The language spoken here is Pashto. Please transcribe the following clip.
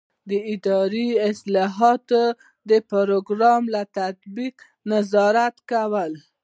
د اداري اصلاحاتو د پروګرام له تطبیق نظارت کول.